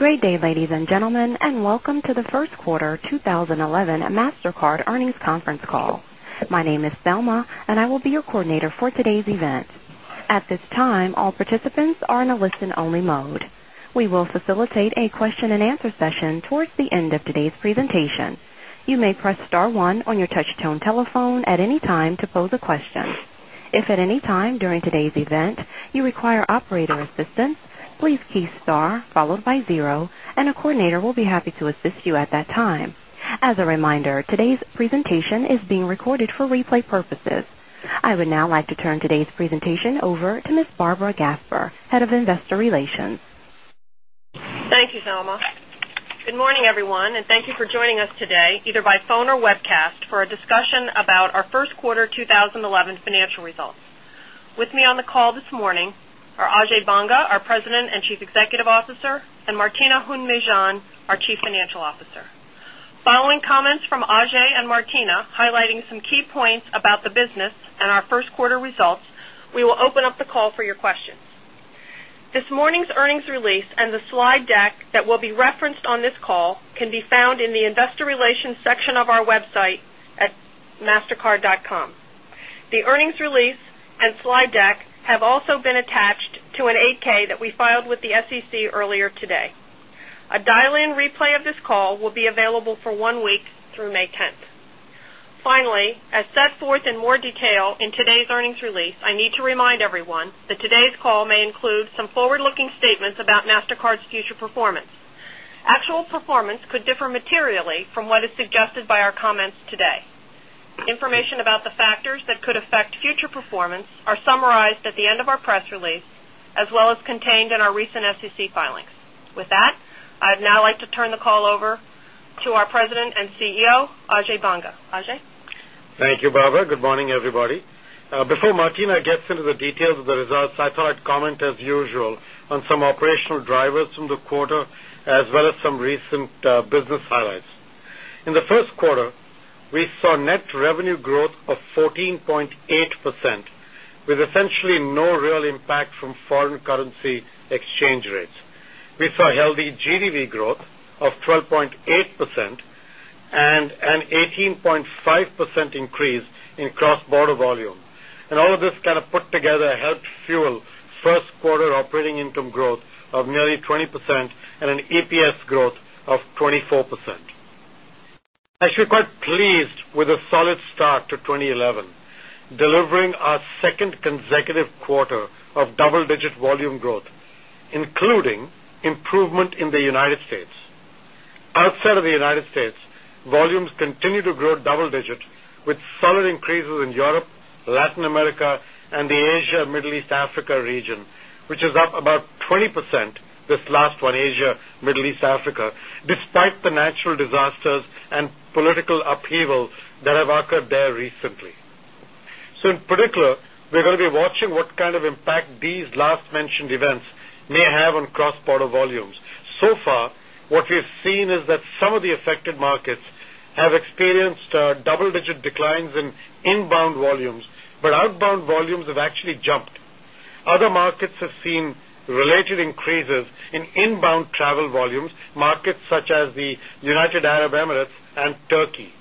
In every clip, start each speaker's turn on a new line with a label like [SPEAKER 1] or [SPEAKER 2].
[SPEAKER 1] Great day, ladies and gentlemen, and welcome to the first quarter 2011 Mastercard Earnings Conference Call. My name is Thelma, and I will be your coordinator for today's event. At this time, all participants are in a listen-only mode. We will facilitate a question and answer session towards the end of today's presentation. You may press star one on your touch-tone telephone at any time to pose a question. If at any time during today's event you require operator assistance, please key star followed by zero, and a coordinator will be happy to assist you at that time. As a reminder, today's presentation is being recorded for replay purposes. I would now like to turn today's presentation over to Ms. Barbara Gasper, Head of Investor Relations.
[SPEAKER 2] Thank you, Thelma. Good morning, everyone, and thank you for joining us today, either by phone or webcast, for a discussion about our First Quarter 2011 Financial Results. With me on the call this morning are Ajay Banga, our President and Chief Executive Officer, and Martina Hund-Mejean, our Chief Financial Officer. Following comments from Ajay and Martina highlighting some key points about the business and our first quarter results, we will open up the call for your questions. This morning's earnings release and the slide deck that will be referenced on this call can be found in the investor relations section of our website at mastercard.com. The earnings release and slide deck have also been attached to an 8-K that we filed with the SEC earlier today. A dial-in replay of this call will be available for one week through May 10th. Finally, as set forth in more detail in today's earnings release, I need to remind everyone that today's call may include some forward-looking statements about Mastercard's future performance. Actual performance could differ materially from what is suggested by our comments today. Information about the factors that could affect future performance are summarized at the end of our press release, as well as contained in our recent SEC filings. With that, I'd now like to turn the call over to our President and CEO, Ajay Banga. Ajay?
[SPEAKER 3] Thank you, Barbara. Good morning, everybody. Before Martina gets into the details of the results, I thought I'd comment, as usual, on some operational drivers from the quarter, as well as some recent business highlights. In the first quarter, we saw net revenue growth of 14.8%, with essentially no real impact from foreign currency exchange rates. We saw healthy GDP growth of 12.8% and an 18.5% increase in cross-border volume. All of this kind of put together helped fuel first-quarter operating income growth of nearly 20% and an EPS growth of 24%. Actually, we're quite pleased with a solid start to 2011, delivering our second consecutive quarter of double-digit volume growth, including improvement in the United States. Outside of the United States, volumes continue to grow double-digit, with solid increases in Europe, Latin America, and the Asia-Middle East-Africa region, which is up about 20%—this last one, Asia-Middle East-Africa—despite the natural disasters and political upheaval that have occurred there recently. In particular, we're going to be watching what kind of impact these last-mentioned events may have on cross-border volumes. So far, what we've seen is that some of the affected markets have experienced double-digit declines in inbound volumes, but outbound volumes have actually jumped. Other markets have seen related increases in inbound travel volumes, markets such as the United Arab Emirates and Turkey.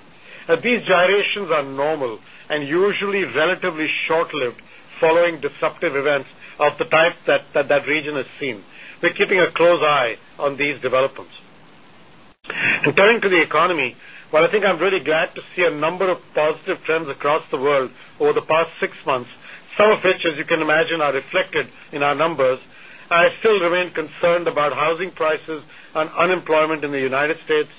[SPEAKER 3] These gyrations are normal and usually relatively short-lived following disruptive events of the types that that region has seen. We're keeping a close eye on these developments. Returning to the economy, I think I'm really glad to see a number of positive trends across the world over the past six months, some of which, as you can imagine, are reflected in our numbers. I still remain concerned about housing prices and unemployment in the United States,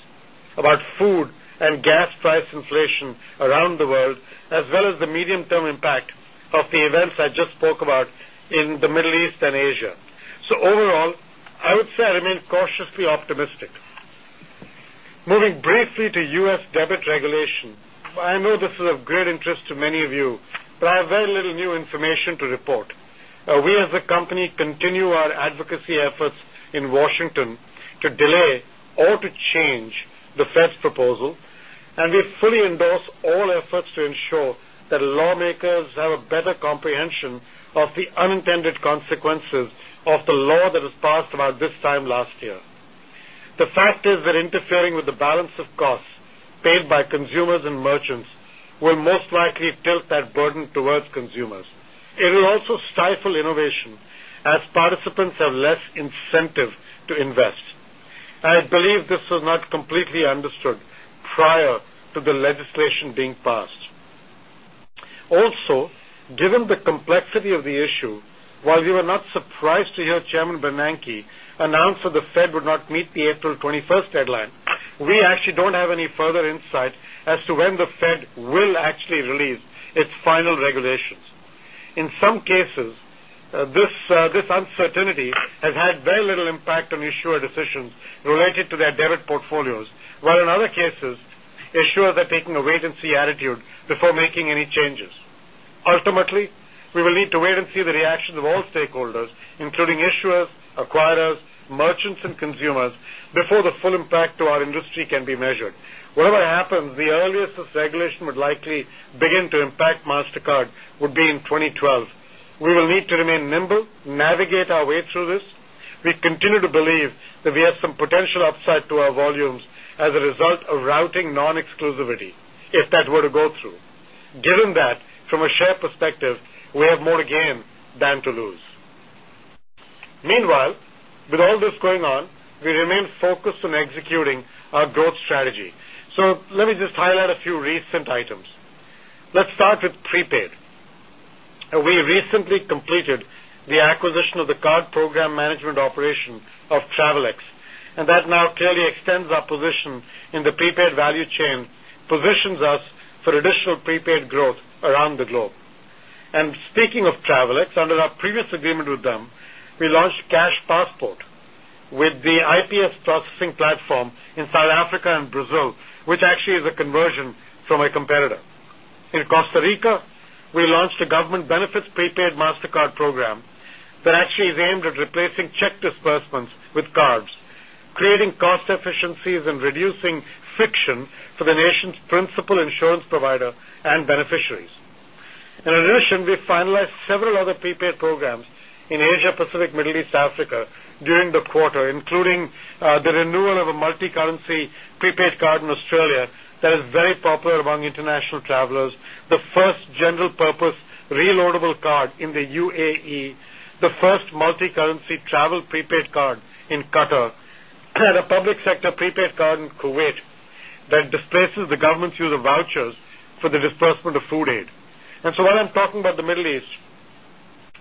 [SPEAKER 3] about food and gas price inflation around the world, as well as the medium-term impact of the events I just spoke about in the Middle East and Asia. Overall, I would say I remain cautiously optimistic. Moving briefly to U.S. debit regulation, I know this is of great interest to many of you, but I have very little new information to report. We, as a company, continue our advocacy efforts in Washington to delay or to change the Fed's proposal, and we fully endorse all efforts to ensure that lawmakers have a better comprehension of the unintended consequences of the law that was passed about this time last year. The fact is that interfering with the balance of costs paid by consumers and merchants will most likely tilt that burden towards consumers. It will also stifle innovation, as participants have less incentive to invest. I believe this was not completely understood prior to the legislation being passed. Also, given the complexity of the issue, while we were not surprised to hear Chairman Bernanke announce that the Fed would not meet the April 21 deadline, we actually don't have any further insight as to when the Fed will actually release its final regulations. In some cases, this uncertainty has had very little impact on issuer decisions related to their debt portfolios, while in other cases, issuers are taking a wait-and-see attitude before making any changes. Ultimately, we will need to wait and see the reactions of all stakeholders, including issuers, acquirers, merchants, and consumers, before the full impact to our industry can be measured. Whatever happens, the earliest this regulation would likely begin to impact Mastercard would be in 2012. We will need to remain nimble, navigate our way through this. We continue to believe that we have some potential upside to our volumes as a result of routing non-exclusivity, if that were to go through. Given that, from a shared perspective, we have more to gain than to lose. Meanwhile, with all this going on, we remain focused on executing our growth strategy. Let me just highlight a few recent items. Let's start with prepaid. We recently completed the acquisition of the card program management operation of Travelex, and that now clearly extends our position in the prepaid value chain, positions us for additional prepaid growth around the globe. Speaking of Travelex, under our previous agreement with them, we launched Cash Passport with the IPS processing platform in South Africa and Brazil, which actually is a conversion from a competitor. In Costa Rica, we launched a government benefits prepaid Mastercard program that actually is aimed at replacing check disbursements with cards, creating cost efficiencies and reducing friction for the nation's principal insurance provider and beneficiaries. In addition, we finalized several other prepaid programs in Asia-Pacific, Middle East, and Africa during the quarter, including the renewal of a multi-currency prepaid card in Australia that is very popular among international travelers, the first General Purpose Reloadable card in the U.A.E., the first multi-currency travel prepaid card in Qatar, and a Public Sector Prepaid Card in Kuwait that displaces the government's use of vouchers for the disbursement of food aid. While I'm talking about the Middle East,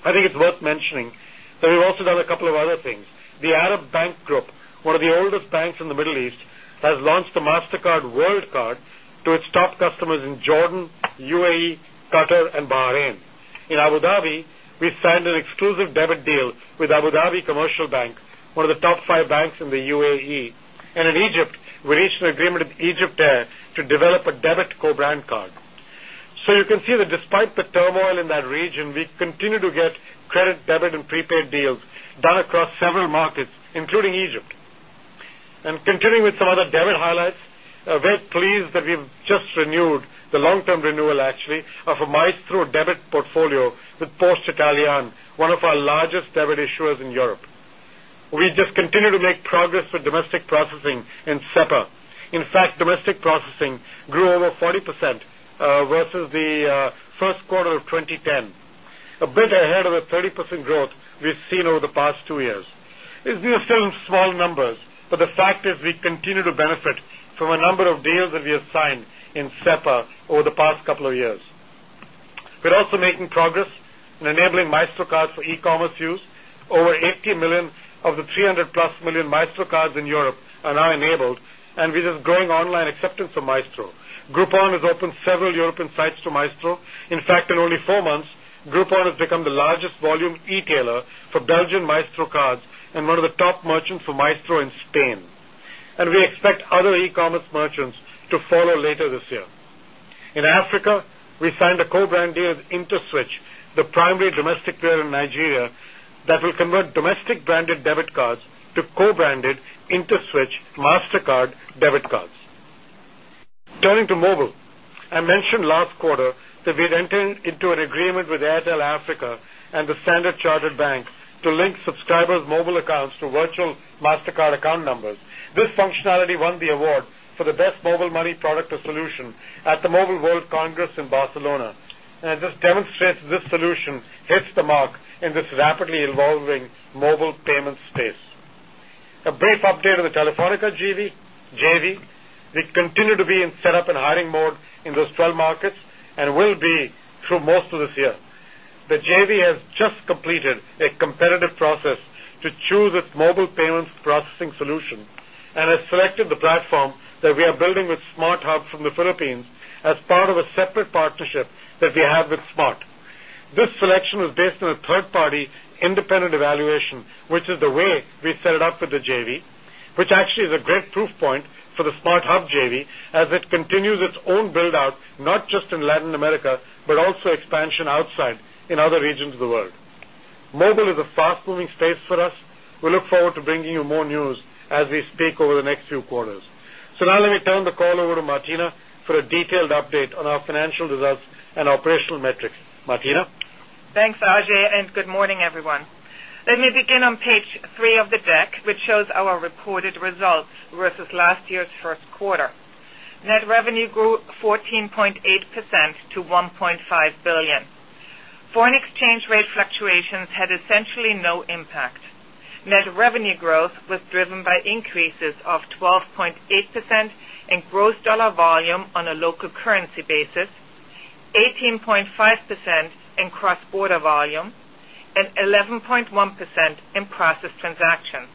[SPEAKER 3] I think it's worth mentioning that we've also done a couple of other things. The Arab Bank Group, one of the oldest banks in the Middle East, has launched the Mastercard World Card to its top customers in Jordan, U.A.E., Qatar, and Bahrain. In Abu Dhabi, we signed an exclusive debit deal with Abu Dhabi Commercial Bank, one of the top five banks in the U.A.E. In Egypt, we reached an agreement with EgyptAir to develop a debit co-brand card. You can see that despite the turmoil in that region, we continue to get credit, debit, and prepaid deals done across several markets, including Egypt. Continuing with some other debit highlights, we're very pleased that we've just renewed the long-term renewal, actually, of a Maestro debit portfolio with Porsche Italia, one of our largest debit issuers in Europe. We just continue to make progress with domestic processing and SEPA. In fact, domestic processing grew over 40% versus the first quarter of 2010, a bit ahead of the 30% growth we've seen over the past two years. These are still small numbers, but the fact is we continue to benefit from a number of deals that we have signed in SEPA over the past couple of years. We're also making progress in enabling Maestro cards for e-commerce use. Over 80 million of the 300-plus million Maestro cards in Europe are now enabled, and we're just growing online acceptance of Maestro. Groupon has opened several European sites to Maestro. In only four months, Groupon has become the largest volume e-tailer for Belgian Maestro cards and one of the top merchants for Maestro in Spain. We expect other e-commerce merchants to follow later this year. In Africa, we signed a co-brand deal with Interswitch, the primary domestic player in Nigeria, that will convert domestic branded debit cards to co-branded Interswitch Mastercard debit cards. Turning to mobile, I mentioned last quarter that we'd entered into an agreement with Airtel Africa and Standard Chartered Bank to link subscribers' mobile accounts to virtual Mastercard account numbers. This functionality won the award for the best mobile money product or solution at the Mobile World Congress in Barcelona, and it just demonstrates that this solution hits the mark in this rapidly evolving mobile payment space. A brief update on the Telefónica JV. We continue to be in setup and hiring mode in those 12 markets and will be through most of this year. The JV has just completed a competitive process to choose its mobile payments processing solution and has selected the platform that we are building with Smart Hub from the Philippines as part of a separate partnership that we have with Smart. This selection is based on a third-party independent evaluation, which is the way we set it up with the JV, which actually is a great proof point for the Smart Hub JV, as it continues its own build-out, not just in Latin America, but also expansion outside in other regions of the world. Mobile is a fast-moving space for us. We look forward to bringing you more news as we speak over the next few quarters. Now let me turn the call over to Martina for a detailed update on our financial results and operational metrics. Martina?
[SPEAKER 4] Thanks, Ajay, and good morning, everyone. Let me begin on page three of the deck, which shows our reported results versus last year's first quarter. Net revenue grew 14.8% to $1.5 billion. Foreign exchange rate fluctuations had essentially no impact. Net revenue growth was driven by increases of 12.8% in gross dollar volume on a local currency basis, 18.5% in cross-border volume, and 11.1% in processed transactions.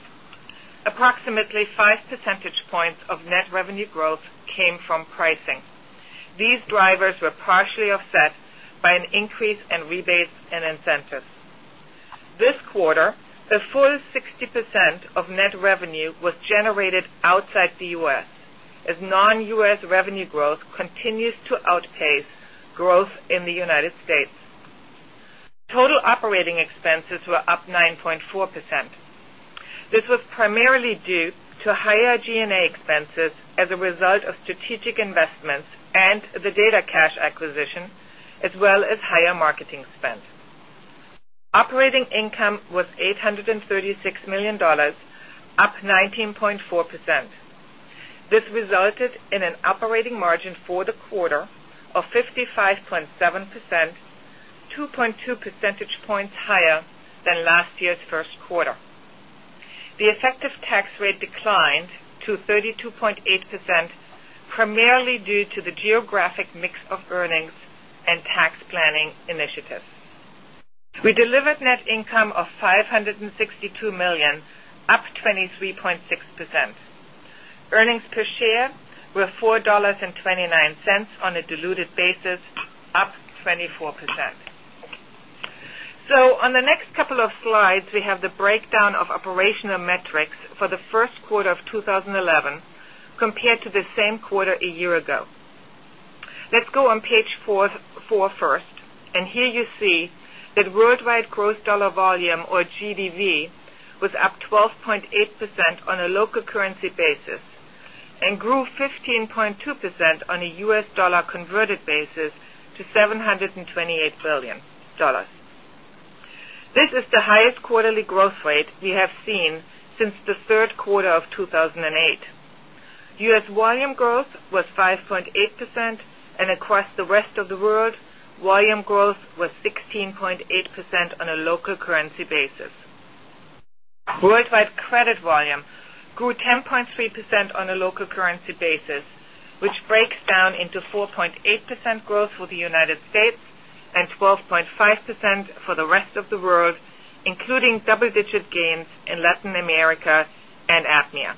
[SPEAKER 4] Approximately 5 percentage points of net revenue growth came from pricing. These drivers were partially offset by an increase in rebates and incentives. This quarter, a full 60% of net revenue was generated outside the U.S., as non-U.S. revenue growth continues to outpace growth in the United States. Total operating expenses were up 9.4%. This was primarily due to higher G&A expenses as a result of strategic investments and the DataCash acquisition, as well as higher marketing spend. Operating income was $836 million, up 19.4%. This resulted in an operating margin for the quarter of 55.7%, 2.2 percentage points higher than last year's first quarter. The effective tax rate declined to 32.8%, primarily due to the geographic mix of earnings and tax planning initiatives. We delivered net income of $562 million, up 23.6%. Earnings per share were $4.29 on a diluted basis, up 24%. On the next couple of slides, we have the breakdown of operational metrics for the first quarter of 2011 compared to the same quarter a year ago. Let's go on page four first, and here you see that worldwide gross dollar volume, or GDV, was up 12.8% on a local currency basis and grew 15.2% on a U.S. dollar converted basis to $728 billion. This is the highest quarterly growth rate we have seen since the third quarter of 2008. U.S. volume growth was 5.8%, and across the rest of the world, volume growth was 16.8% on a local currency basis. Worldwide credit volume grew 10.3% on a local currency basis, which breaks down into 4.8% growth for the United States and 12.5% for the rest of the world, including double-digit gains in Latin America and AMEA.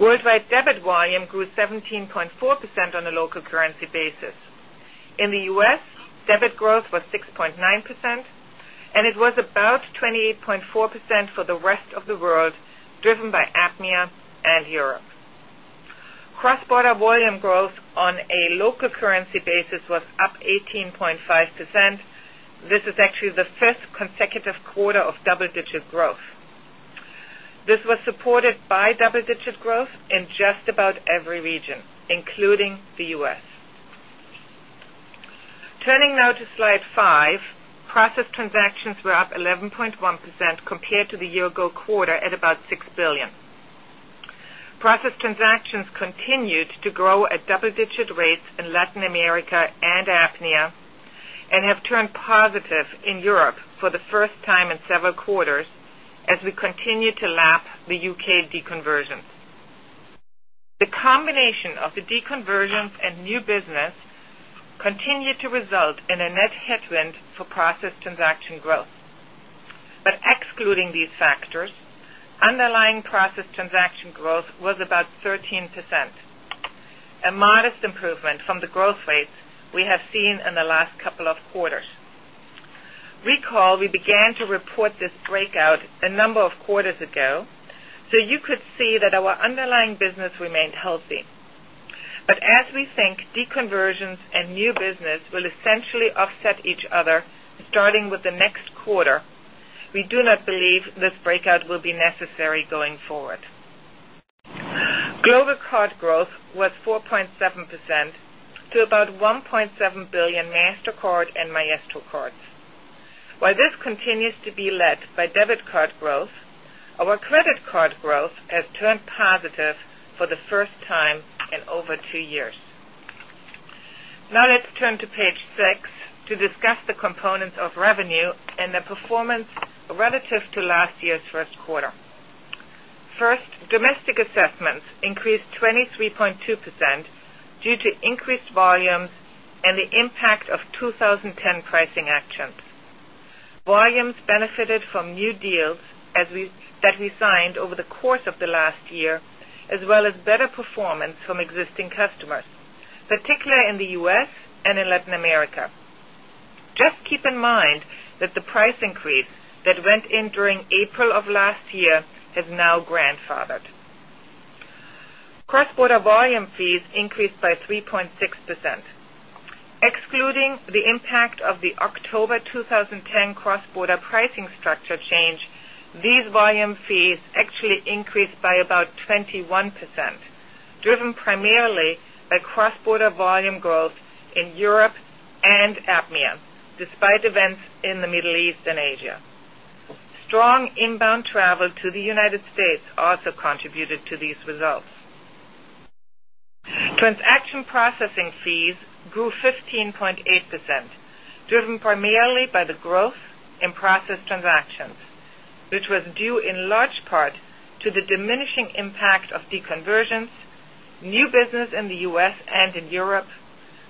[SPEAKER 4] Worldwide debit volume grew 17.4% on a local currency basis. In the U.S., debit growth was 6.9%, and it was about 28.4% for the rest of the world, driven by AMEA and Europe. Cross-border volume growth on a local currency basis was up 18.5%. This is actually the first consecutive quarter of double-digit growth. This was supported by double-digit growth in just about every region, including the U.S. Turning now to slide five, processed transactions were up 11.1% compared to the year-ago quarter at about $6 billion. Processed transactions continued to grow at double-digit rates in Latin America and AMEA and have turned positive in Europe for the first time in several quarters, as we continue to lap the U.K. deconversions. The combination of the deconversions and new business continued to result in a net headwind for processed transaction growth. Excluding these factors, underlying processed transaction growth was about 13%, a modest improvement from the growth rates we have seen in the last couple of quarters. Recall, we began to report this breakout a number of quarters ago, so you could see that our underlying business remained healthy. As we think deconversions and new business will essentially offset each other, starting with the next quarter, we do not believe this breakout will be necessary going forward. Global card growth was 4.7% to about 1.7 billion Mastercard and Maestro cards. While this continues to be led by debit card growth, our credit card growth has turned positive for the first time in over two years. Now let's turn to page six to discuss the components of revenue and the performance relative to last year's first quarter. First, domestic assessments increased 23.2% due to increased volumes and the impact of 2010 pricing actions. Volumes benefited from new deals that we signed over the course of the last year, as well as better performance from existing customers, particularly in the U.S. and in Latin America. Just keep in mind that the price increase that went in during April of last year has now grandfathered. Cross-border volume fees increased by 3.6%. Excluding the impact of the October 2010 cross-border pricing structure change, these volume fees actually increased by about 21%, driven primarily by cross-border volume growth in Europe and AMEA, despite events in the Middle East and Asia. Strong inbound travel to the United States also contributed to these results. Transaction processing fees grew 15.8%, driven primarily by the growth in processed transactions, which was due in large part to the diminishing impact of deconversions, new business in the U.S. and in Europe,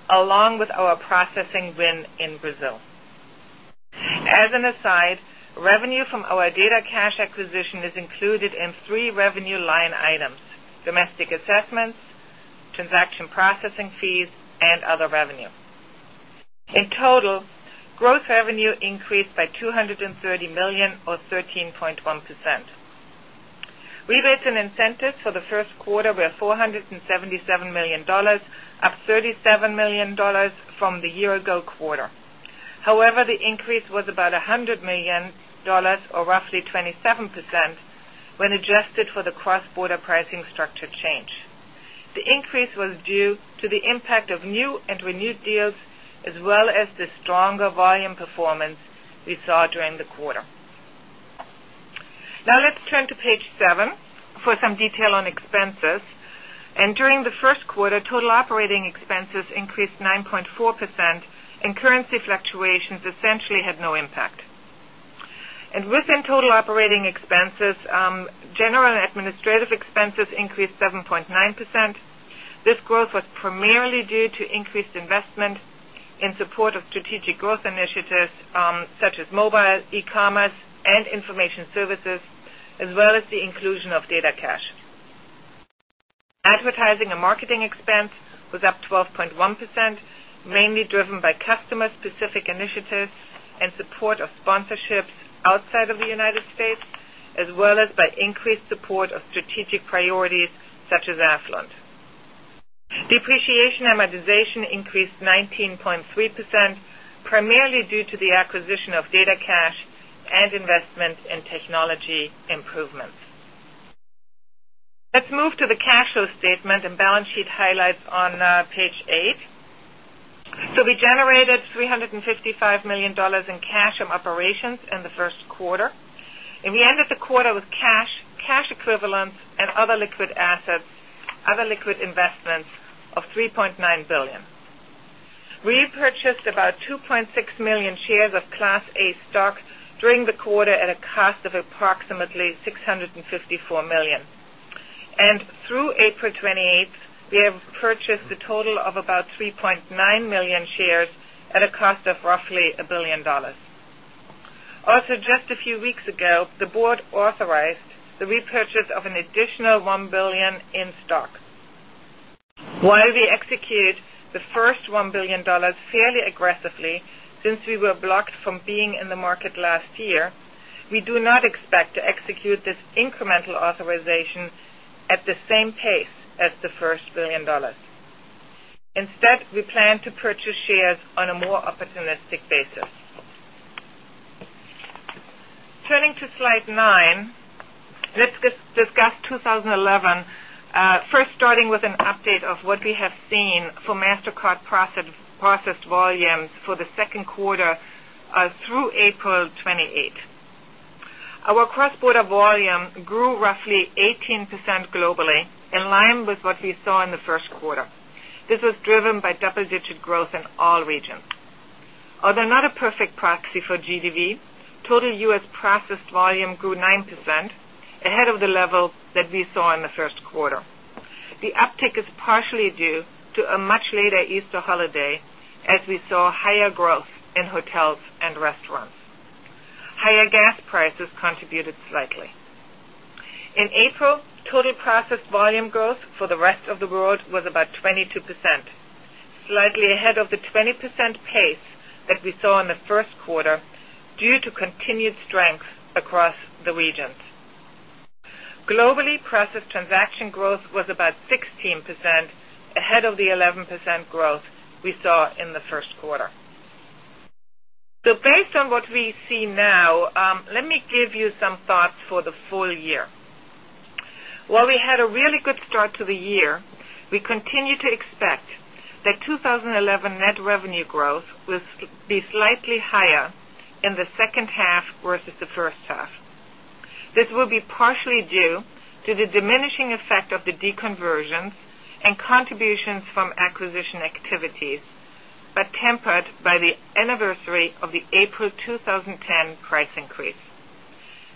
[SPEAKER 4] along with our processing win in Brazil. As an aside, revenue from our DataCash acquisition is included in three revenue line items: domestic assessments, transaction processing fees, and other revenue. In total, gross revenue increased by $230 million, or 13.1%. Rebates and incentives for the first quarter were $477 million, up $37 million from the year-ago quarter. However, the increase was about $100 million, or roughly 27%, when adjusted for the cross-border pricing structure change. The increase was due to the impact of new and renewed deals, as well as the stronger volume performance we saw during the quarter. Now let's turn to page seven for some detail on expenses. During the first quarter, total operating expenses increased 9.4%, and currency fluctuations essentially had no impact. Within total operating expenses, general and administrative expenses increased 7.9%. This growth was primarily due to increased investment in support of strategic growth initiatives, such as mobile e-commerce and information services, as well as the inclusion of DataCash. Advertising and marketing expense was up 12.1%, mainly driven by customer-specific initiatives and support of sponsorships outside of the United States, as well as by increased support of strategic priorities, such as AFLOND. Depreciation amortization increased 19.3%, primarily due to the acquisition of DataCash and investment in technology improvements. Let's move to the cash flow statement and balance sheet highlights on page eight. We generated $355 million in cash from operations in the first quarter, and we ended the quarter with cash, cash equivalents, and other liquid assets, other liquid investments of $3.9 billion. We purchased about 2.6 million shares of Class A stock during the quarter at a cost of approximately $654 million. Through April 28, we have purchased a total of about 3.9 million shares at a cost of roughly $1 billion. Also, just a few weeks ago, the board authorized the repurchase of an additional $1 billion in stock. While we executed the first $1 billion fairly aggressively, since we were blocked from being in the market last year, we do not expect to execute this incremental authorization at the same pace as the first $1 billion. Instead, we plan to purchase shares on a more opportunistic basis. Turning to slide nine, let's discuss 2011, first starting with an update of what we have seen for Mastercard processed volumes for the second quarter through April 28. Our cross-border volume grew roughly 18% globally, in line with what we saw in the first quarter. This was driven by double-digit growth in all regions. Although not a perfect proxy for gross dollar volume, total U.S. processed volume grew 9%, ahead of the level that we saw in the first quarter. The uptick is partially due to a much later Easter holiday, as we saw higher growth in hotels and restaurants. Higher gas prices contributed slightly. In April, total processed volume growth for the rest of the world was about 22%, slightly ahead of the 20% pace that we saw in the first quarter due to continued strength across the regions. Globally, processed transaction growth was about 16%, ahead of the 11% growth we saw in the first quarter. Based on what we see now, let me give you some thoughts for the full year. While we had a really good start to the year, we continue to expect that 2011 net revenue growth will be slightly higher in the second half versus the first half. This will be partially due to the diminishing effect of the deconversions and contributions from acquisition activities, but tempered by the anniversary of the April 2010 price increase.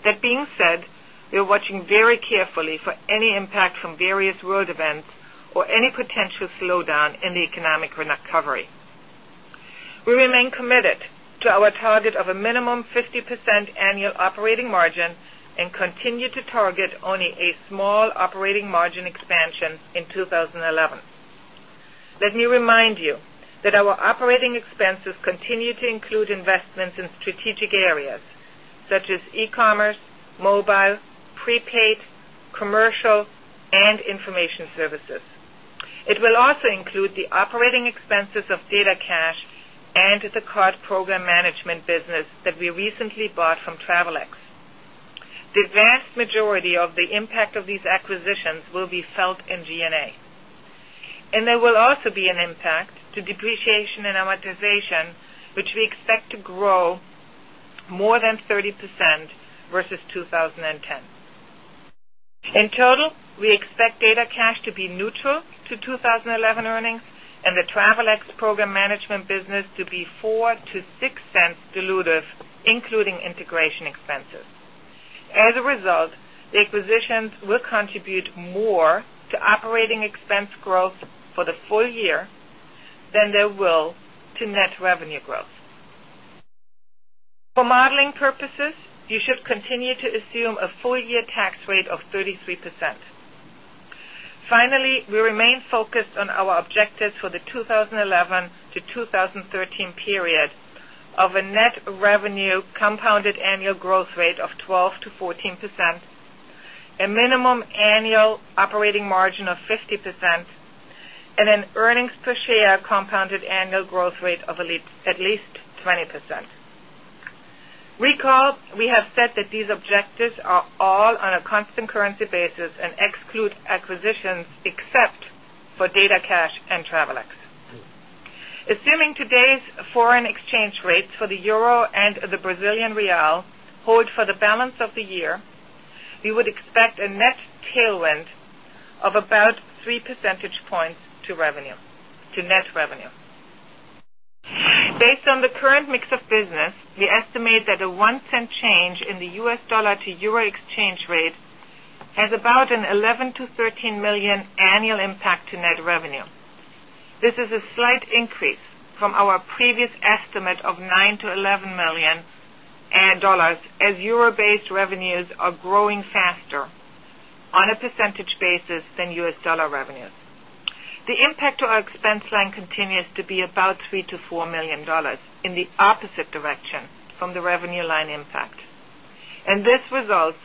[SPEAKER 4] That being said, we are watching very carefully for any impact from various world events or any potential slowdown in the economic recovery. We remain committed to our target of a minimum 50% annual operating margin and continue to target only a small operating margin expansion in 2011. Let me remind you that our operating expenses continue to include investments in strategic areas, such as e-commerce, mobile, prepaid, commercial, and information services. It will also include the operating expenses of DataCash and the card program management business that we recently bought from Travelex. The vast majority of the impact of these acquisitions will be felt in G&A. There will also be an impact to depreciation and amortization, which we expect to grow more than 30% versus 2010. In total, we expect DataCash to be neutral to 2011 earnings and the Travelex program management business to be $0.04-$0.06 dilutive, including integration expenses. As a result, the acquisitions will contribute more to operating expense growth for the full year than they will to net revenue growth. For modeling purposes, you should continue to assume a full-year tax rate of 33%. Finally, we remain focused on our objectives for the 2011-2013 period of a net revenue compounded annual growth rate of 12%-14%, a minimum annual operating margin of 50%, and an earnings per share compounded annual growth rate of at least 20%. Recall, we have said that these objectives are all on a constant currency basis and exclude acquisitions except for DataCash and Travelex. Assuming today's foreign exchange rates for the euro and the Brazilian real hold for the balance of the year, we would expect a net tailwind of about 3% to net revenue. Based on the current mix of business, we estimate that a one-tenth change in the U.S. dollar-to-euro exchange rate has about an $11 million-$13 million annual impact to net revenue. This is a slight increase from our previous estimate of $9 million-$11 million as euro-based revenues are growing faster on a percentage basis than U.S. dollar revenues. The impact to our expense line continues to be about $3 million-$4 million in the opposite direction from the revenue line impact. This results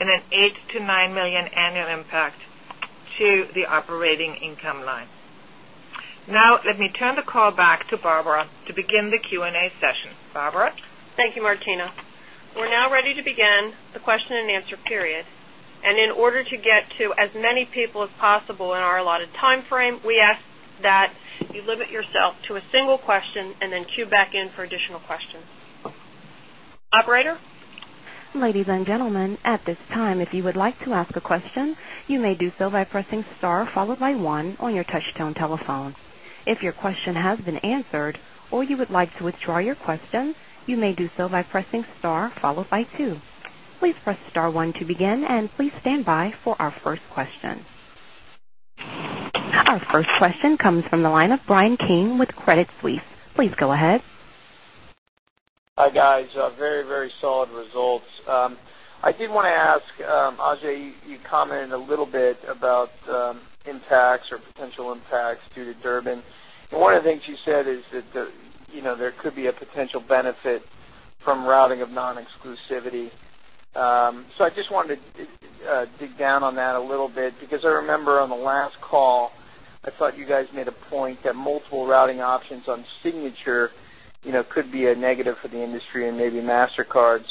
[SPEAKER 4] in an $8 million-$9 million annual impact to the operating income line. Now, let me turn the call back to Barbara to begin the Q&A session. Barbara?
[SPEAKER 2] Thank you, Martina. We're now ready to begin the question and answer period. In order to get to as many people as possible in our allotted timeframe, we ask that you limit yourself to a single question and then queue back in for additional questions. Operator?
[SPEAKER 1] Ladies and gentlemen, at this time, if you would like to ask a question, you may do so by pressing star followed by one on your touch-tone telephone. If your question has been answered or you would like to withdraw your question, you may do so by pressing star followed by two. Please press star one to begin, and please stand by for our first question. Our first question comes from the line of Bryan Keane with Credit Suisse. Please go ahead.
[SPEAKER 5] Hi, guys. Very, very solid results. I did want to ask, Ajay, you commented a little bit about impacts or potential impacts due to the Durbin. One of the things you said is that there could be a potential benefit from routing of non-exclusivity. I just wanted to dig down on that a little bit because I remember on the last call, I thought you guys made a point that multiple routing options on signature could be a negative for the industry and maybe Mastercard.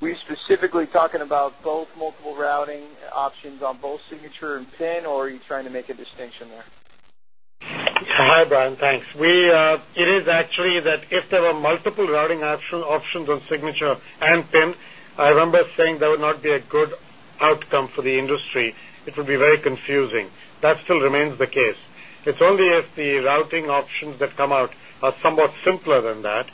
[SPEAKER 5] Were you specifically talking about multiple routing options on both signature and PIN, or are you trying to make a distinction there?
[SPEAKER 3] Hi, Bryan. Thanks. It is actually that if there were multiple routing options on signature and PIN, I remember saying that would not be a good outcome for the industry. It would be very confusing. That still remains the case. It's only if the routing options that come out are somewhat simpler than that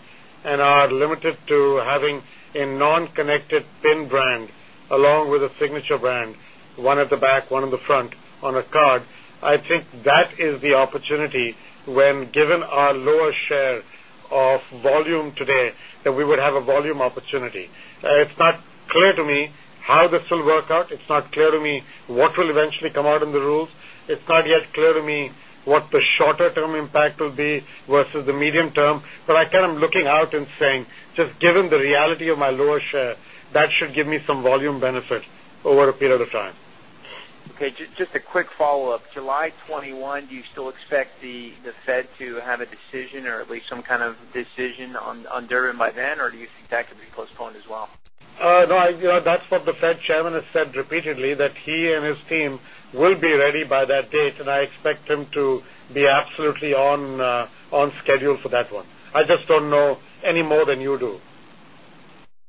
[SPEAKER 3] and are limited to having a non-connected PIN brand along with a signature brand, one at the back, one at the front on a card. I think that is the opportunity when, given our lower share of volume today, that we would have a volume opportunity. It's not clear to me how this will work out. It's not clear to me what will eventually come out in the rules. It's not yet clear to me what the shorter-term impact will be versus the medium term. I'm kind of looking out and saying, just given the reality of my lower share, that should give me some volume benefit over a period of time.
[SPEAKER 5] Okay. Just a quick follow-up. July 21, do you still expect the Fed to have a decision or at least some kind of decision on the Durbin by then, or do you think that could be postponed as well?
[SPEAKER 3] That's what the Fed Chairman has said repeatedly, that he and his team will be ready by that date, and I expect him to be absolutely on schedule for that one. I just don't know any more than you do.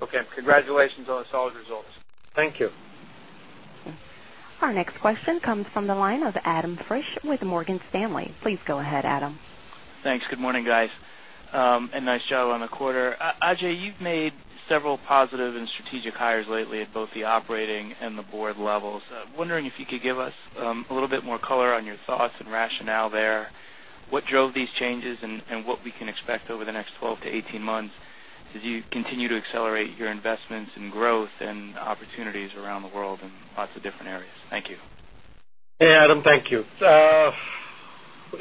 [SPEAKER 5] Okay, congratulations on the solid results.
[SPEAKER 3] Thank you.
[SPEAKER 1] Our next question comes from the line of Adam Frisch with Morgan Stanley. Please go ahead, Adam.
[SPEAKER 6] Thanks. Good morning, guys, and nice job on the quarter. Ajay, you've made several positive and strategic hires lately at both the operating and the board levels. Wondering if you could give us a little bit more color on your thoughts and rationale there. What drove these changes and what we can expect over the next 12 months-18 months as you continue to accelerate your investments and growth and opportunities around the world in lots of different areas? Thank you.
[SPEAKER 3] Hey, Adam. Thank you.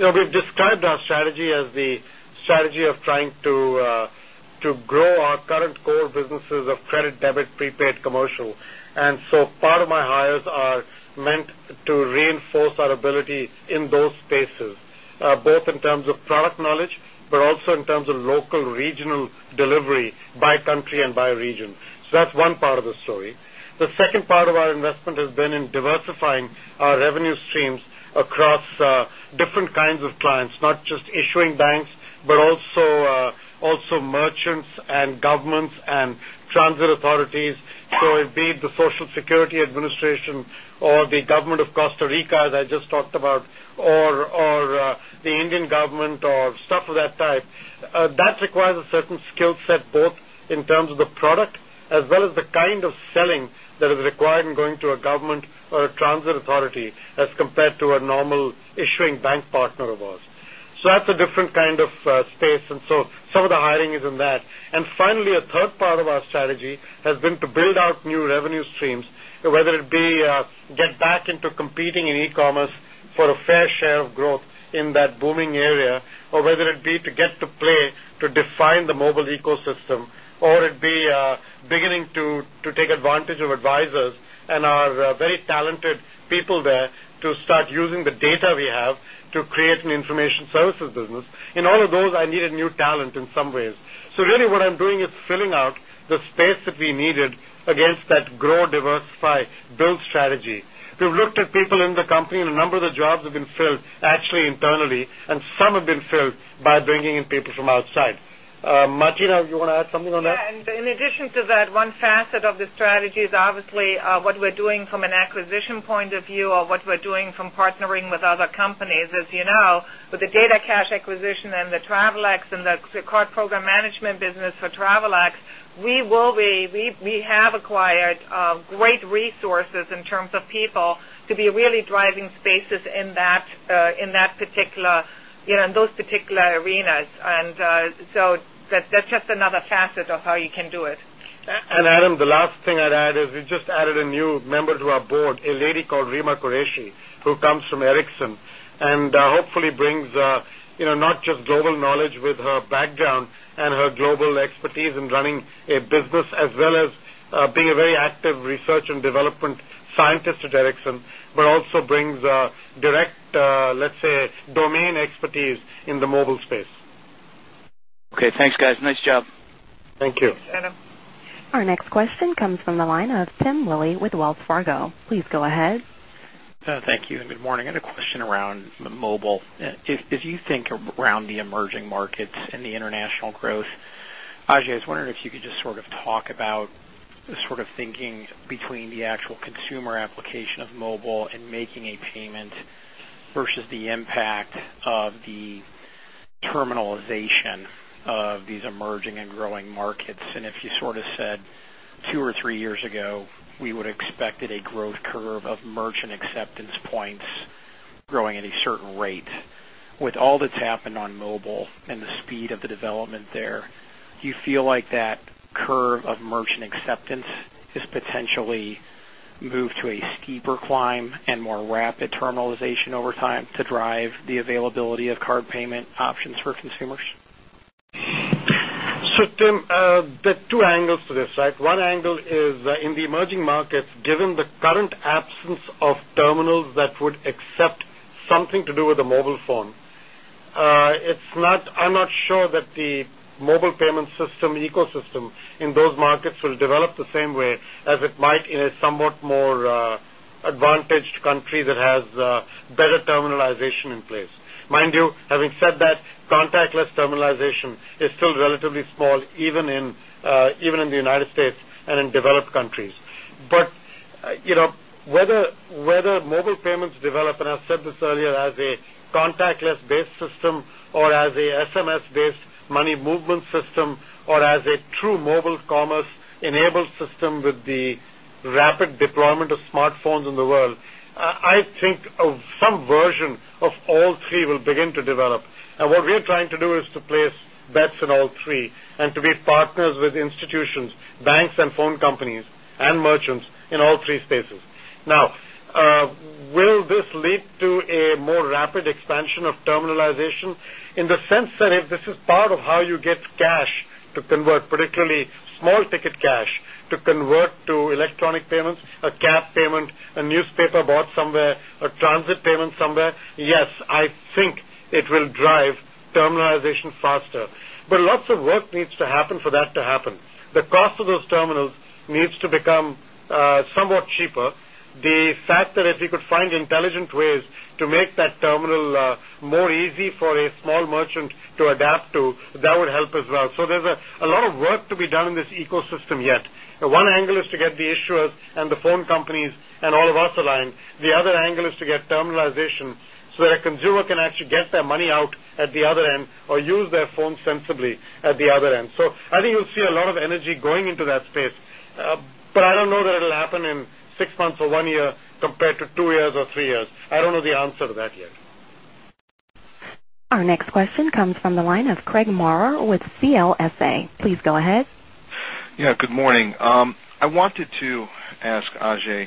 [SPEAKER 3] We've described our strategy as the strategy of trying to grow our current core businesses of credit, debit, prepaid, commercial. Part of my hires are meant to reinforce our ability in those spaces, both in terms of product knowledge, but also in terms of local regional delivery by country and by region. That's one part of the story. The second part of our investment has been in diversifying our revenue streams across different kinds of clients, not just issuing banks, but also merchants and governments and transit authorities. It could be the Social Security Administration or the government of Costa Rica, as I just talked about, or the Indian government or stuff of that type. That requires a certain skill set, both in terms of the product as well as the kind of selling that is required in going to a government or a transit authority as compared to a normal issuing bank partner of ours. That's a different kind of space, and some of the hiring is in that. Finally, a third part of our strategy has been to build out new revenue streams, whether it be to get back into competing in e-commerce for a fair share of growth in that booming area, or whether it be to get to play to define the mobile ecosystem, or it be beginning to take advantage of advisors and our very talented people there to start using the data we have to create an information services business. In all of those, I needed new talent in some ways. Really, what I'm doing is filling out the space that we needed against that grow, diversify, build strategy. We've looked at people in the company, and a number of the jobs have been filled actually internally, and some have been filled by bringing in people from outside. Martina, you want to add something on that?
[SPEAKER 4] In addition to that, one facet of the strategy is obviously what we're doing from an acquisition point of view or what we're doing from partnering with other companies. As you know, with the DataCash acquisition and the Travelex and the card program management business for Travelex, we have acquired great resources in terms of people to be really driving spaces in that particular, you know, in those particular arenas. That's just another facet of how you can do it.
[SPEAKER 3] Adam, the last thing I'd add is we just added a new member to our board, a lady called Rima Qureshi, who comes from Ericsson and hopefully brings not just global knowledge with her background and her global expertise in running a business as well as being a very active research and development scientist at Ericsson, but also brings direct, let's say, domain expertise in the mobile space.
[SPEAKER 6] Okay. Thanks, guys. Nice job.
[SPEAKER 3] Thank you.
[SPEAKER 4] Thanks, Adam.
[SPEAKER 1] Our next question comes from the line of Tim Lilley with Wells Fargo. Please go ahead.
[SPEAKER 7] Thank you, and good morning. I had a question around mobile. If you think around the emerging markets and the international growth, Ajay, I was wondering if you could just sort of talk about the sort of thinking between the actual consumer application of mobile and making a payment versus the impact of the terminalization of these emerging and growing markets. If you sort of said two or three years ago, we would have expected a growth curve of merchant acceptance points growing at a certain rate. With all that's happened on mobile and the speed of the development there, do you feel like that curve of merchant acceptance has potentially moved to a steeper climb and more rapid terminalization over time to drive the availability of card payment options for consumers?
[SPEAKER 3] Tim, there are two angles to this, right? One angle is in the emerging markets, given the current absence of terminals that would accept something to do with a mobile phone, I'm not sure that the mobile payment system ecosystem in those markets will develop the same way as it might in a somewhat more advantaged country that has better terminalization in place. Mind you, having said that, contactless terminalization is still relatively small, even in the United States and in developed countries. Whether mobile payments develop, and I've said this earlier, as a contactless-based system or as an SMS-based money movement system or as a true mobile commerce-enabled system with the rapid deployment of smartphones in the world, I think some version of all three will begin to develop. What we're trying to do is to place bets in all three and to be partners with institutions, banks, and phone companies and merchants in all three spaces. Now, will this lead to a more rapid expansion of terminalization in the sense that if this is part of how you get cash to convert, particularly small ticket cash to convert to electronic payments, a CAP payment, a newspaper bought somewhere, a transit payment somewhere? Yes, I think it will drive terminalization faster. Lots of work needs to happen for that to happen. The cost of those terminals needs to become somewhat cheaper. The fact that if you could find intelligent ways to make that terminal more easy for a small merchant to adapt to, that would help as well. There's a lot of work to be done in this ecosystem yet. One angle is to get the issuers and the phone companies and all of us aligned. The other angle is to get terminalization so that a consumer can actually get their money out at the other end or use their phone sensibly at the other end. I think you'll see a lot of energy going into that space, but I don't know that it'll happen in six months or one year compared to two years or three years. I don't know the answer to that yet.
[SPEAKER 1] Our next question comes from the line of Craig Maurer with CLSA. Please go ahead.
[SPEAKER 8] Yeah, good morning. I wanted to ask, Ajay,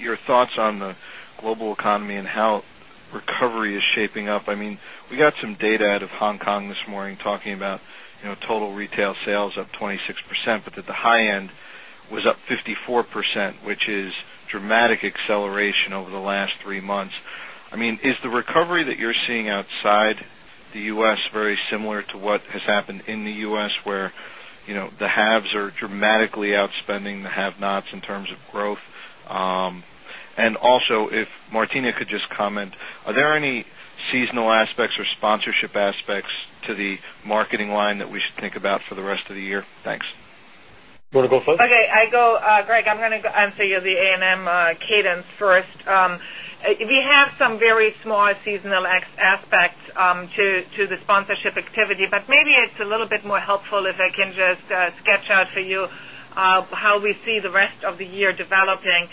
[SPEAKER 8] your thoughts on the global economy and how recovery is shaping up. I mean, we got some data out of Hong Kong this morning talking about, you know, total retail sales up 26%, but that the high end was up 54%, which is a dramatic acceleration over the last three months. Is the recovery that you're seeing outside the U.S. very similar to what has happened in the U.S., where the haves are dramatically outspending the have-nots in terms of growth? Also, if Martina could just comment, are there any seasonal aspects or sponsorship aspects to the marketing line that we should think about for the rest of the year? Thanks.
[SPEAKER 3] Want to go first?
[SPEAKER 4] Okay, Greg. I'm going to say you're the A&M cadence first. We have some very small seasonal aspects to the sponsorship activity, but maybe it's a little bit more helpful if I can just sketch out for you how we see the rest of the year developing.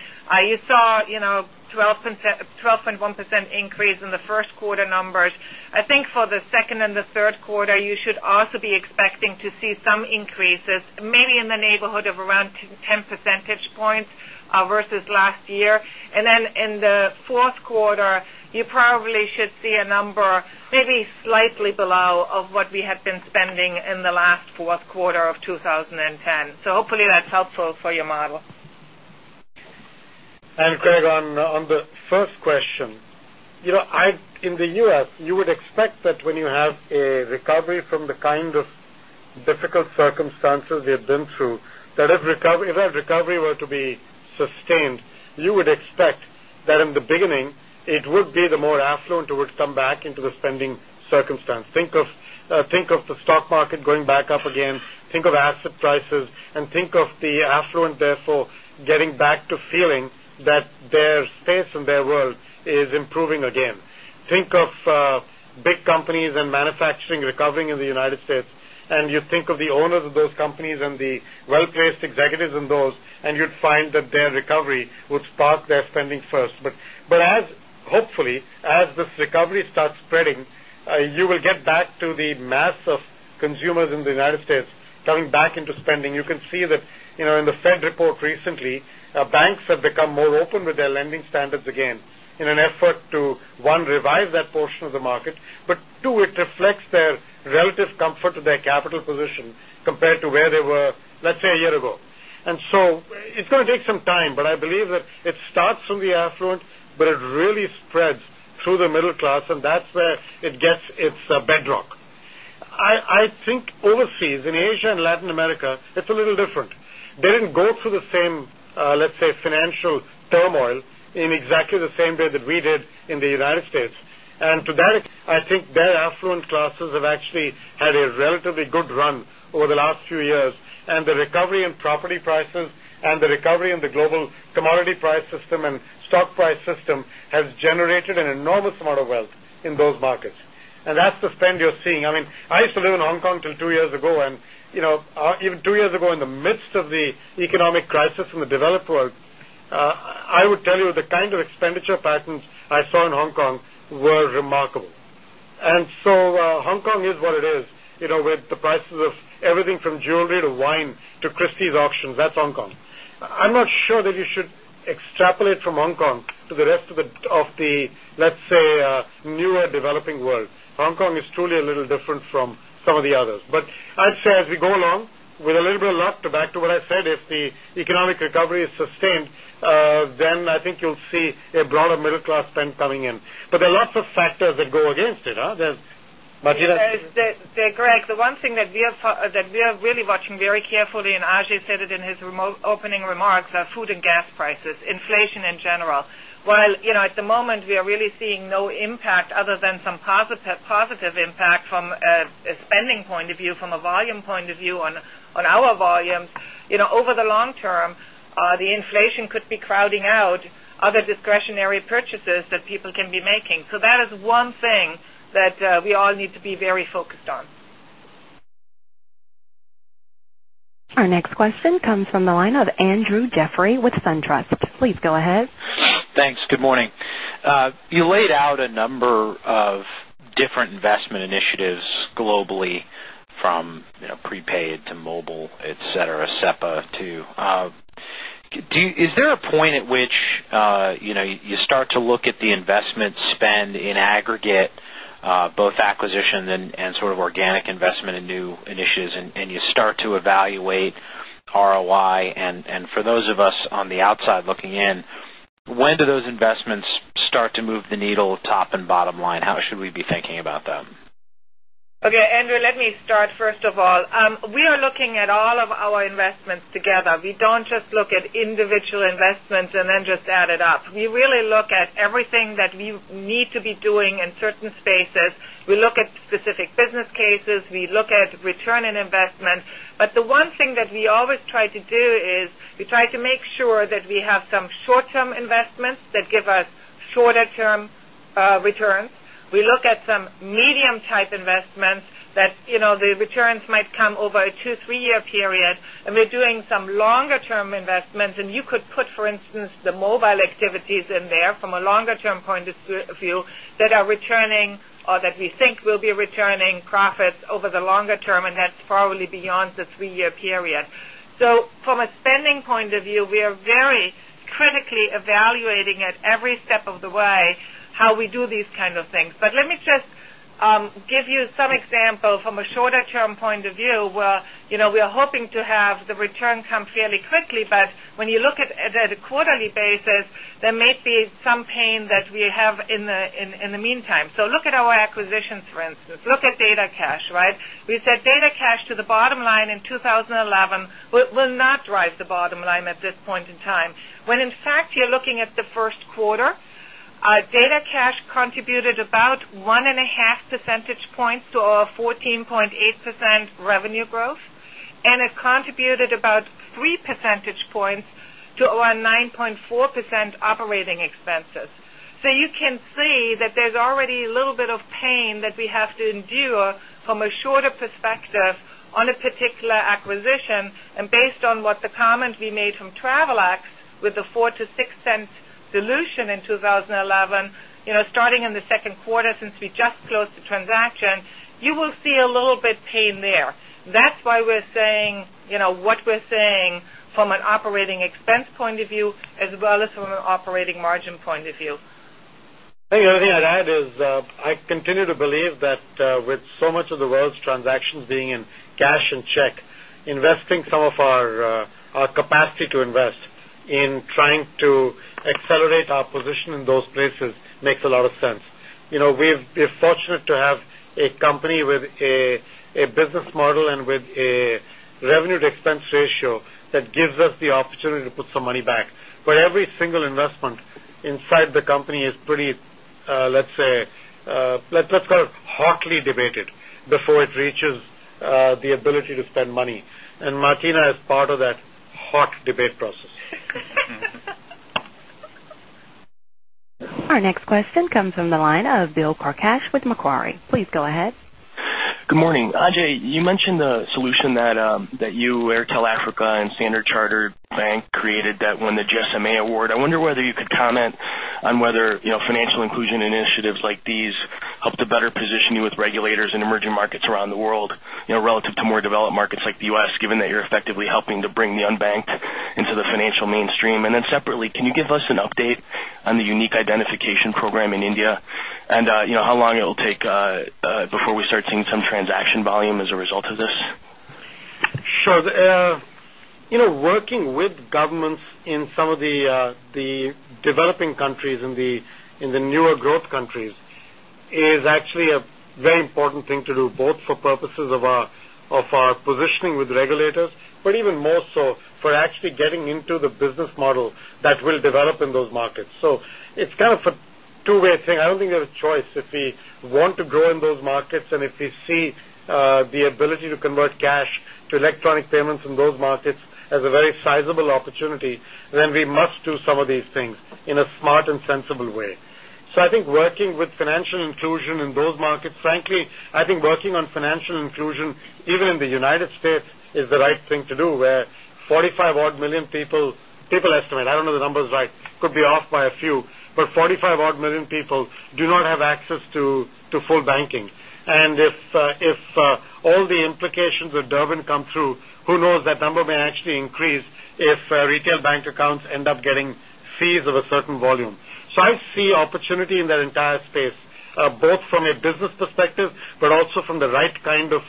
[SPEAKER 4] You saw, you know, a 12.1% increase in the first quarter numbers. I think for the second and the third quarter, you should also be expecting to see some increases, maybe in the neighborhood of around 10 percentage points versus last year. In the fourth quarter, you probably should see a number maybe slightly below what we had been spending in the last fourth quarter of 2010. Hopefully, that's helpful for your model.
[SPEAKER 3] Craig, on the first question, you know, in the U.S., you would expect that when you have a recovery from the kind of difficult circumstances we have been through, if that recovery were to be sustained, you would expect that in the beginning, it would be the more affluent who would come back into the spending circumstance. Think of the stock market going back up again. Think of asset prices, and think of the affluent, therefore, getting back to feeling that their space and their world is improving again. Think of big companies and manufacturing recovering in the United States, and you think of the owners of those companies and the well-placed executives in those, and you'd find that their recovery would spark their spending first. Hopefully, as this recovery starts spreading, you will get back to the mass of consumers in the United States coming back into spending. You can see that, you know, in the Fed report recently, banks have become more open with their lending standards again in an effort to, one, revise that portion of the market, but two, it reflects their relative comfort to their capital position compared to where they were, let's say, a year ago. It's going to take some time, but I believe that it starts from the affluent, but it really spreads through the middle class, and that's where it gets its bedrock. I think overseas in Asia and Latin America, it's a little different. They didn't go through the same, let's say, financial turmoil in exactly the same way that we did in the United States. To that, I think their affluent classes have actually had a relatively good run over the last few years, and the recovery in property prices and the recovery in the global commodity price system and stock price system has generated an enormous amount of wealth in those markets. That's the spend you're seeing. I mean, I used to live in Hong Kong until two years ago, and, you know, even two years ago in the midst of the economic crisis in the developed world, I would tell you the kind of expenditure patterns I saw in Hong Kong were remarkable. Hong Kong is what it is, you know, with the prices of everything from jewelry to wine to Christie's auctions. That's Hong Kong. I'm not sure that you should extrapolate from Hong Kong to the rest of the, let's say, newer developing world. Hong Kong is truly a little different from some of the others. As we go along, with a little bit of luck, back to what I said, if the economic recovery is sustained, then I think you'll see a broader middle-class spend coming in. There are lots of factors that go against it. Martina?
[SPEAKER 4] Craig, the one thing that we are really watching very carefully, and Ajay said it in his opening remarks, are food and gas prices, inflation in general. While at the moment, we are really seeing no impact other than some positive impact from a spending point of view, from a volume point of view on our volume, over the long term, the inflation could be crowding out other discretionary purchases that people can be making. That is one thing that we all need to be very focused on.
[SPEAKER 1] Our next question comes from the line of Andrew Jeffrey with SunTrust. Please go ahead.
[SPEAKER 9] Thanks. Good morning. You laid out a number of different investment initiatives globally, from prepaid to mobile, et cetera, SEPA too. Is there a point at which you start to look at the investment spend in aggregate, both acquisition and sort of organic investment in new initiatives, and you start to evaluate ROI? For those of us on the outside looking in, when do those investments start to move the needle top and bottom line? How should we be thinking about them?
[SPEAKER 4] Okay, Andrew, let me start. First of all, we are looking at all of our investments together. We don't just look at individual investments and then just add it up. We really look at everything that we need to be doing in certain spaces. We look at specific business cases. We look at return on investment. The one thing that we always try to do is we try to make sure that we have some short-term investments that give us shorter-term returns. We look at some medium-type investments that, you know, the returns might come over a two, three-year period, and we're doing some longer-term investments. You could put, for instance, the mobile activities in there from a longer-term point of view that are returning or that we think will be returning profits over the longer term, and that's probably beyond the three-year period. From a spending point of view, we are very critically evaluating at every step of the way how we do these kinds of things. Let me just give you some examples from a shorter-term point of view where, you know, we are hoping to have the return come fairly quickly, but when you look at it at a quarterly basis, there may be some pain that we have in the meantime. Look at our acquisitions, for instance. Look at DataCash, right? We said DataCash to the bottom line in 2011 will not drive the bottom line at this point in time. When, in fact, you're looking at the first quarter, DataCash contributed about 1.5 percentage points to our 14.8% revenue growth, and it contributed about 3 percentage points to our 9.4% operating expenses. You can see that there's already a little bit of pain that we have to endure from a shorter perspective on a particular acquisition. Based on what the comment we made from Travelex with the $0.04-$0.06 dilution in 2011, you know, starting in the second quarter since we just closed the transaction, you will see a little bit of pain there. That's why we're saying, you know, what we're saying from an operating expense point of view as well as from an operating margin point of view.
[SPEAKER 3] I think the only thing I'd add is I continue to believe that with so much of the world's transactions being in cash and check, investing some of our capacity to invest in trying to accelerate our position in those places makes a lot of sense. We're fortunate to have a company with a business model and with a revenue-to-expense ratio that gives us the opportunity to put some money back. Every single investment inside the company is pretty, let's say, let's call it hotly debated before it reaches the ability to spend money. Martina is part of that hot debate process.
[SPEAKER 1] Our next question comes from the line of Bill Karkash with Macquarie. Please go ahead.
[SPEAKER 10] Good morning. Ajay, you mentioned the solution that you, Airtel Africa, and Standard Chartered Bank created that won the GSMA Award. I wonder whether you could comment on whether financial inclusion initiatives like these help to better position you with regulators in emerging markets around the world, relative to more developed markets like the U.S., given that you're effectively helping to bring the unbanked into the financial mainstream. Separately, can you give us an update on the unique identification program in India and how long it will take before we start seeing some transaction volume as a result of this?
[SPEAKER 3] Sure. You know, working with governments in some of the developing countries and the newer growth countries is actually a very important thing to do, both for purposes of our positioning with regulators, but even more so for actually getting into the business model that will develop in those markets. It's kind of a two-way thing. I don't think there's a choice. If we want to grow in those markets and if we see the ability to convert cash to electronic payments in those markets as a very sizable opportunity, then we must do some of these things in a smart and sensible way. I think working with financial inclusion in those markets, frankly, I think working on financial inclusion, even in the United States, is the right thing to do, where 45-odd million people, people estimate, I don't know the numbers right, could be off by a few, but 45-odd million people do not have access to full banking. If all the implications of the Durbin come through, who knows, that number may actually increase if retail bank accounts end up getting fees of a certain volume. I see opportunity in that entire space, both from a business perspective, but also from the right kind of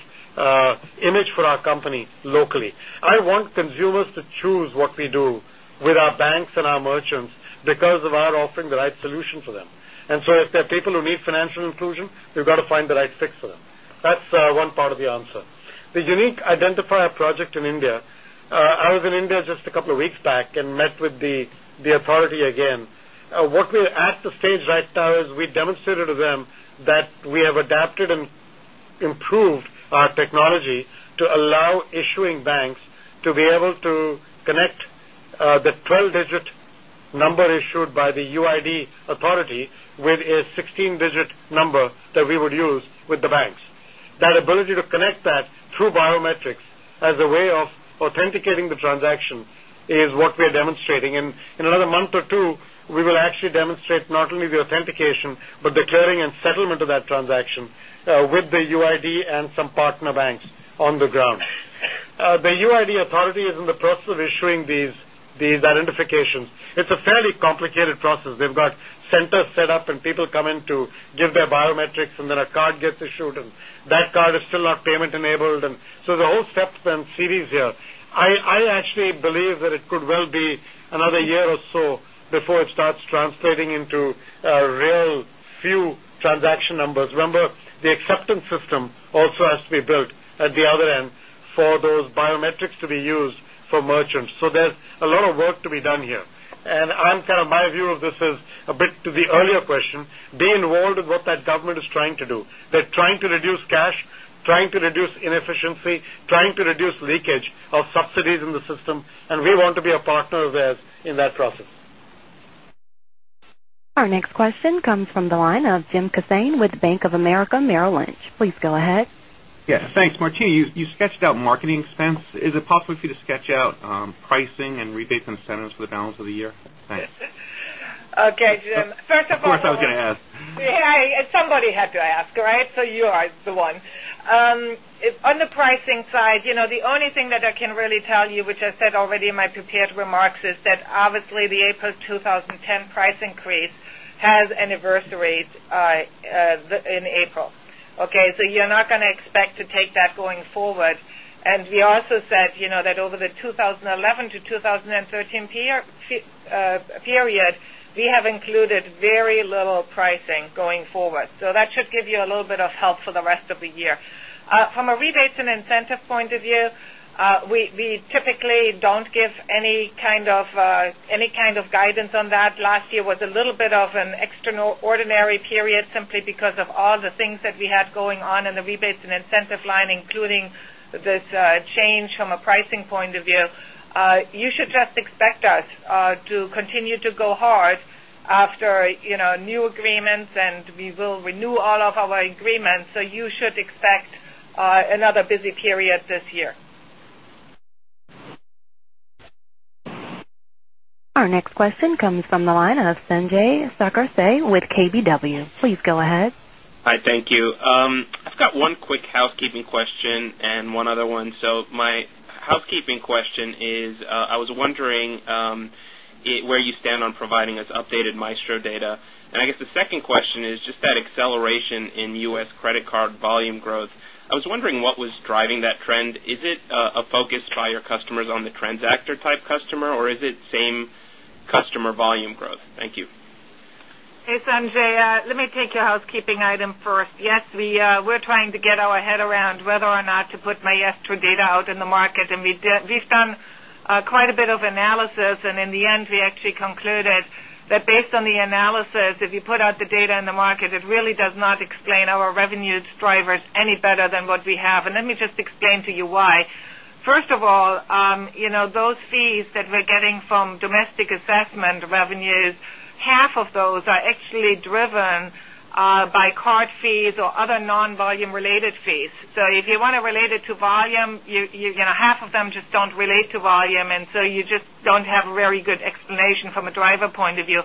[SPEAKER 3] image for our company locally. I want consumers to choose what we do with our banks and our merchants because of our offering the right solution for them. If there are people who need financial inclusion, we've got to find the right fix for them. That's one part of the answer. The unique identifier project in India, I was in India just a couple of weeks back and met with the authority again. What we're at the stage right now is we demonstrated to them that we have adapted and improved our technology to allow issuing banks to be able to connect the 12-digit number issued by the UID authority with a 16-digit number that we would use with the banks. That ability to connect that through biometrics as a way of authenticating the transaction is what we're demonstrating. In another month or two, we will actually demonstrate not only the authentication but the clearing and settlement of that transaction with the UID and some partner banks on the ground. The UID authority is in the process of issuing these identifications. It's a fairly complicated process. They've got centers set up, and people come in to give their biometrics, and then a card gets issued, and that card is still not payment-enabled. The whole step and series here, I actually believe that it could well be another year or so before it starts translating into real few transaction numbers. Remember, the acceptance system also has to be built at the other end for those biometrics to be used for merchants. There is a lot of work to be done here. My view of this is a bit to the earlier question, be involved in what that government is trying to do. They're trying to reduce cash, trying to reduce inefficiency, trying to reduce leakage of subsidies in the system, and we want to be a partner of theirs in that process.
[SPEAKER 1] Our next question comes from the line of Jim Kassane with Bank of America-Merrill Lynch. Please go ahead.
[SPEAKER 11] Yes, thanks. Martina, you sketched out marketing expense. Is it possible for you to sketch out pricing and rebates incentives for the balance of the year?
[SPEAKER 4] Okay, Jim. First of all,
[SPEAKER 11] That's what I was going to ask.
[SPEAKER 4] Yeah, somebody had to ask, right? You are the one. On the pricing side, the only thing that I can really tell you, which I said already in my prepared remarks, is that obviously the April 2010 price increase has an adverse rate in April, okay? You are not going to expect to take that going forward. We also said that over the 2011-2013 period, we have included very little pricing going forward. That should give you a little bit of help for the rest of the year. From a rebates and incentive point of view, we typically do not give any kind of guidance on that. Last year was a little bit of an extraordinary period simply because of all the things that we had going on in the rebates and incentive line, including this change from a pricing point of view. You should just expect us to continue to go hard after new agreements, and we will renew all of our agreements. You should expect another busy period this year.
[SPEAKER 1] Our next question comes from the line of Sanjay Sakhrani with KBW. Please go ahead.
[SPEAKER 12] Hi, thank you. I've got one quick housekeeping question and one other one. My housekeeping question is, I was wondering where you stand on providing us updated Maestro data. I guess the second question is just that acceleration in U.S. credit card volume growth. I was wondering what was driving that trend. Is it a focus by your customers on the transactor type customer, or is it same customer volume growth? Thank you.
[SPEAKER 4] Hey, Sanjay. Let me take your housekeeping item first. Yes, we're trying to get our head around whether or not to put Maestro data out in the market. We've done quite a bit of analysis, and in the end, we actually concluded that based on the analysis, if you put out the data in the market, it really does not explain our revenue drivers any better than what we have. Let me just explain to you why. First of all, you know, those fees that we're getting from domestic assessment revenues, half of those are actually driven by card fees or other non-volume related fees. If you want to relate it to volume, you know, half of them just don't relate to volume, and you just don't have a very good explanation from a driver point of view.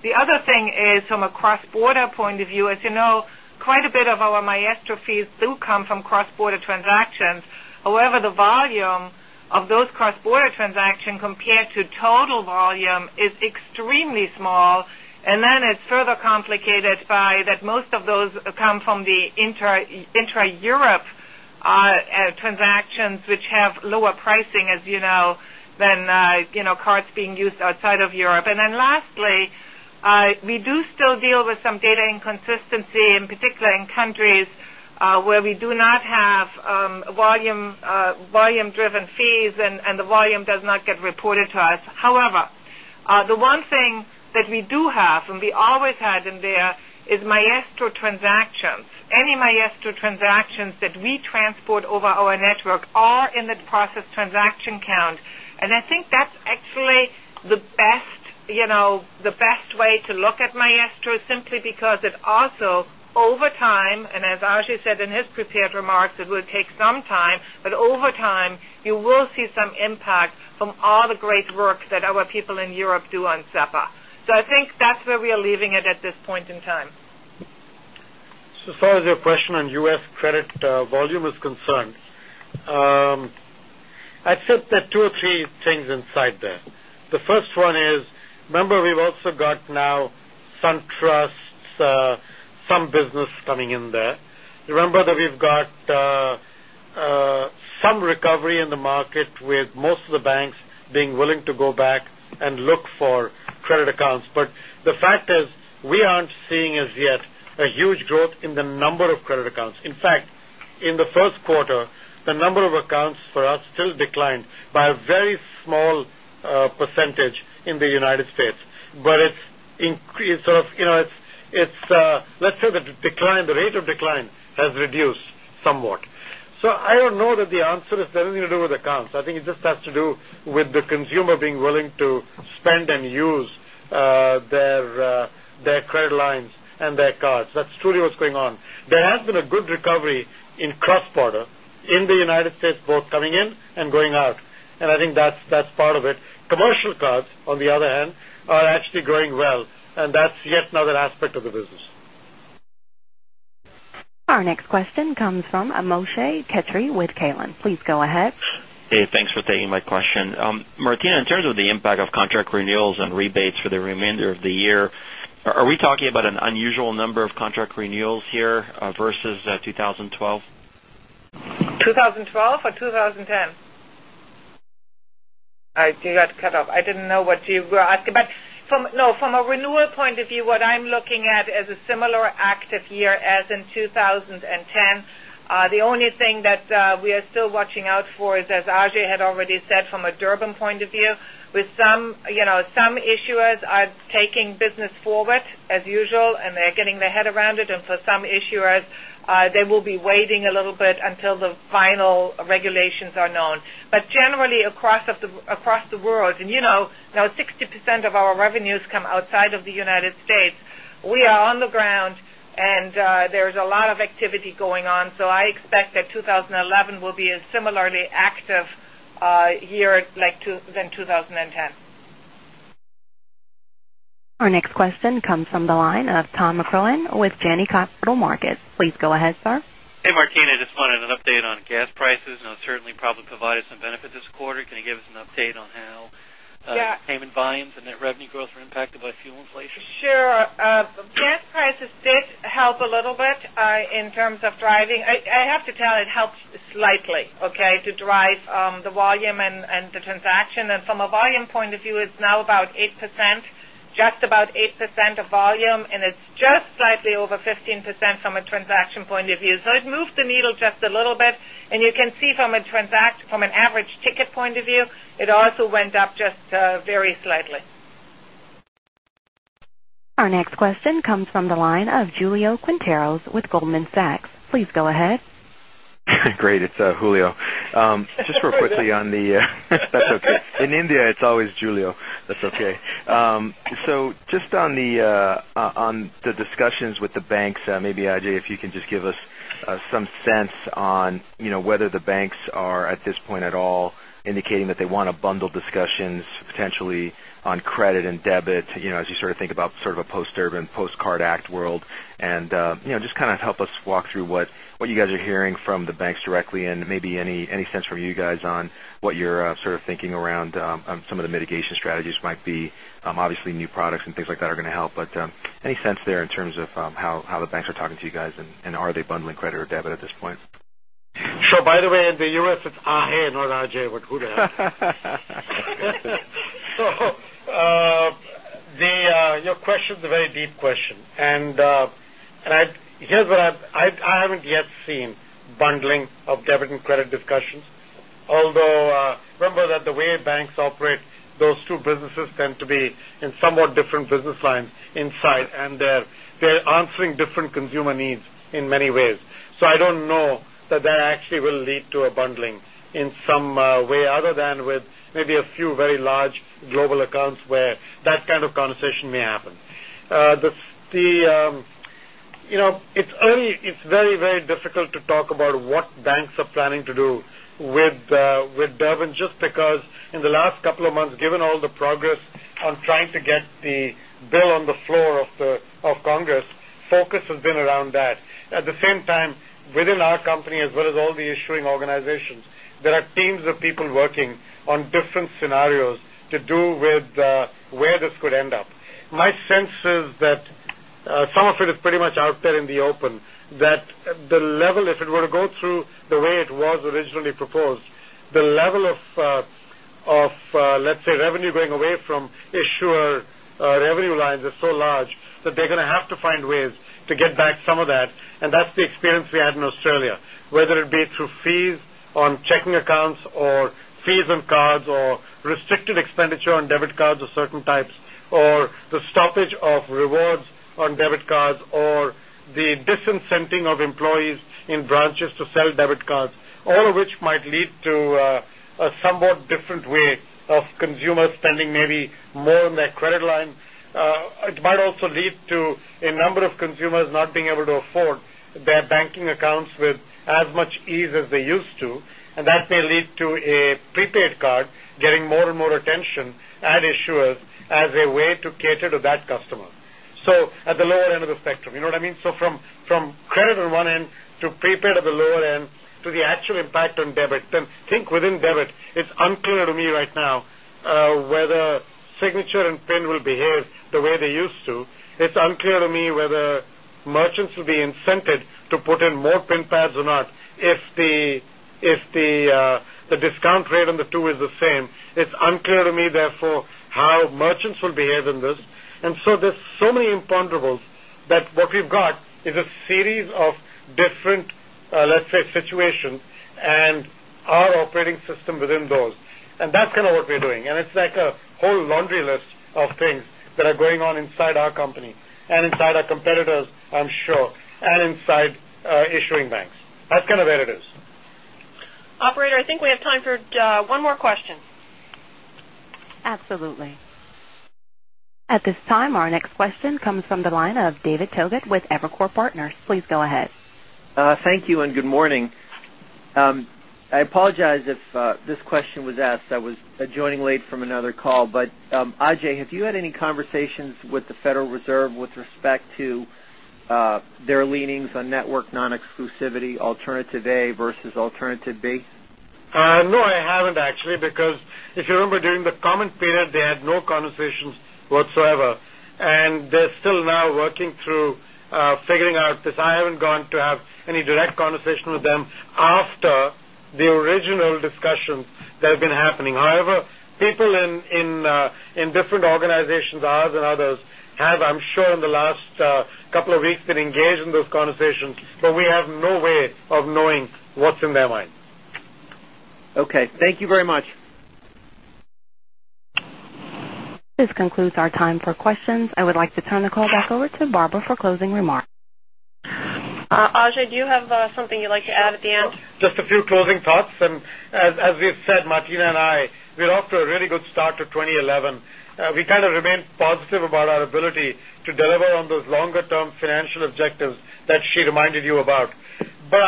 [SPEAKER 4] The other thing is from a cross-border point of view. As you know, quite a bit of our Maestro fees do come from cross-border transactions. However, the volume of those cross-border transactions compared to total volume is extremely small. It's further complicated by that most of those come from the intra-Europe transactions, which have lower pricing, as you know, than, you know, cards being used outside of Europe. Lastly, we do still deal with some data inconsistency, in particular in countries where we do not have volume-driven fees and the volume does not get reported to us. However, the one thing that we do have and we always had in there is Maestro transactions. Any Maestro transactions that we transport over our network are in the processed transaction count. I think that's actually the best, you know, the best way to look at Maestro simply because it also, over time, and as Ajay said in his prepared remarks, it will take some time, but over time, you will see some impact from all the great work that our people in Europe do on SEPA. I think that's where we are leaving it at this point in time.
[SPEAKER 3] As far as your question on U.S. credit volume is concerned, I'd fit that two or three things inside there. The first one is, remember, we've also got now SunTrust's some business coming in there. Remember that we've got some recovery in the market with most of the banks being willing to go back and look for credit accounts. The fact is we aren't seeing as yet a huge growth in the number of credit accounts. In fact, in the first quarter, the number of accounts for us still declined by a very small percentage in the United States. It's sort of, you know, let's say the decline, the rate of decline has reduced somewhat. I don't know that the answer is anything to do with accounts. I think it just has to do with the consumer being willing to spend and use their credit lines and their cards. That's truly what's going on. There has been a good recovery in cross-border in the United States, both coming in and going out. I think that's part of it. Commercial cards, on the other hand, are actually growing well, and that's yet another aspect of the business.
[SPEAKER 1] Our next question comes from Amoshe Tetry with Keylan. Please go ahead. Hey, thanks for taking my question. Martina, in terms of the impact of contract renewals and rebates for the remainder of the year, are we talking about an unusual number of contract renewals here versus 2012?
[SPEAKER 4] 2012 or 2010? You got cut off. I didn't know what you were asking. No, from a renewal point of view, what I'm looking at is a similar active year as in 2010. The only thing that we are still watching out for is, as Ajay had already said, from a Durbin point of view, with some issuers are taking business forward as usual, and they're getting their head around it. For some issuers, they will be waiting a little bit until the final regulations are known. Generally, across the world, and now 60% of our revenues come outside of the United States, we are on the ground, and there's a lot of activity going on. I expect that 2011 will be a similarly active year like 2010.
[SPEAKER 1] Our next question comes from the line of Tom McGowan with Jennings Capital Markets. Please go ahead, sir. Hey, Martina. I just wanted an update on gas prices. It certainly probably provided some benefit this quarter. Can you give us an update on how payment volumes and net revenue growth were impacted by fuel inflation?
[SPEAKER 4] Sure. Gas prices did help a little bit in terms of driving. I have to tell it helped slightly, okay, to drive the volume and the transaction. From a volume point of view, it's now about 8%, just about 8% of volume, and it's just slightly over 15% from a transaction point of view. It moved the needle just a little bit. You can see from a transaction, from an average ticket point of view, it also went up just very slightly.
[SPEAKER 1] Our next question comes from the line of Julio Quinteros with Goldman Sachs. Please go ahead.
[SPEAKER 13] Great. It's Julio. Just real quickly on the, if that's okay. In India, it's always Julio, that's okay. Just on the discussions with the banks, maybe, Ajay, if you can just give us some sense on whether the banks are at this point at all indicating that they want to bundle discussions potentially on credit and debit as you sort of think about sort of a post-Durbin, post-Card Act world. You know, just kind of help us walk through what you guys are hearing from the banks directly and maybe any sense from you guys on what you're sort of thinking around some of the mitigation strategies might be. Obviously, new products and things like that are going to help, but any sense there in terms of how the banks are talking to you guys and are they bundling credit or debit at this point? Sure. By the way, in the U.S., it's Ajay, not Ajay, but who the hell? Your question is a very deep question. Here's what I haven't yet seen: bundling of debit and credit discussions. Although, remember that the way banks operate, those two businesses tend to be in somewhat different business lines inside, and they're answering different consumer needs in many ways. I don't know that that actually will lead to a bundling in some way other than with maybe a few very large global accounts where that kind of conversation may happen. It's very, very difficult to talk about what banks are planning to do with the Durbin just because in the last couple of months, given all the progress on trying to get the bill on the floor of Congress, focus has been around that. At the same time, within our company as well as all the issuing organizations, there are teams of people working on different scenarios to do with where this could end up. My sense is that some of it is pretty much out there in the open, that the level, if it were to go through the way it was originally proposed, the level of, let's say, revenue going away from issuer revenue lines is so large that they're going to have to find ways to get back some of that. That's the experience we had in Australia, whether it be through fees on checking accounts or fees on cards or restricted expenditure on debit cards of certain types or the stoppage of rewards on debit cards or the disincenting of employees in branches to sell debit cards, all of which might lead to a somewhat different way of consumers spending maybe more on their credit line. It might also lead to a number of consumers not being able to afford their banking accounts with as much ease as they used to. That may lead to a prepaid card getting more and more attention and issuers as a way to cater to that customer. At the lower end of the spectrum, you know what I mean? From credit on one end to prepaid at the lower end to the actual impact on debit. Then think within debit, it's unclear to me right now whether signature and PIN will behave the way they used to. It's unclear to me whether merchants will be incented to put in more PIN pads or not. If the discount rate on the two is the same, it's unclear to me, therefore, how merchants will behave in this. There are so many imponderables that what we've got is a series of different, let's say, situations and our operating system within those. That's kind of what we're doing. It's like a whole laundry list of things that are going on inside our company and inside our competitors, I'm sure, and inside issuing banks. That's kind of where it is.
[SPEAKER 2] Operator, I think we have time for one more question.
[SPEAKER 1] Absolutely. At this time, our next question comes from the line of David Togut with Evercore Partners. Please go ahead.
[SPEAKER 14] Thank you and good morning. I apologize if this question was asked. I was joining late from another call. Ajay, have you had any conversations with the Federal Reserve with respect to their leanings on network non-exclusivity, alternative A versus alternative B?
[SPEAKER 3] No, I haven't actually, because if you remember during the comment period, they had no conversations whatsoever. They're still now working through figuring out this. I haven't gone to have any direct conversation with them after the original discussions that have been happening. However, people in different organizations, ours and others, have, I'm sure, in the last couple of weeks been engaged in those conversations, but we have no way of knowing what's in their mind.
[SPEAKER 14] Okay, thank you very much.
[SPEAKER 1] This concludes our time for questions. I would like to turn the call back over to Barbara for closing remarks.
[SPEAKER 4] Ajay, do you have something you'd like to add at the end?
[SPEAKER 3] Just a few closing thoughts. As we've said, Martina and I, we're off to a really good start to 2011. We kind of remain positive about our ability to deliver on those longer-term financial objectives that she reminded you about. We